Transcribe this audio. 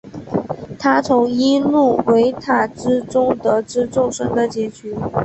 他从伊露维塔之中得知众生的结局。